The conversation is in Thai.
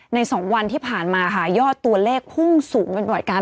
สองวันที่ผ่านมาค่ะยอดตัวเลขพุ่งสูงเป็นบ่อยกัน